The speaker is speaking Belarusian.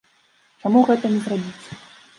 Чаму гэта не зрабіць?